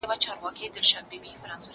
خو اوږده لکۍ يې غوڅه سوه لنډی سو